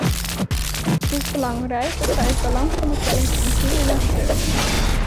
Het is belangrijk dat zij het belang van de telling inzien en haar steunen.